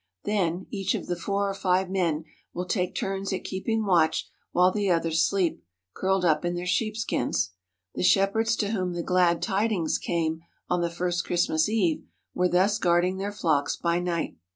Then each of the four or five men will take turns at keeping watch while the others sleep, curled up in their sheepskins. The shep herds to whom the "glad tidings" came on the first Christmas Eve were thus guarding their flocks by night.